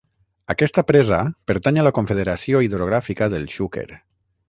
Aquesta presa pertany a la Confederació Hidrogràfica del Xúquer.